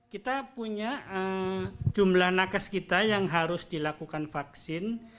kita punya jumlah nakes kita yang harus dilakukan vaksin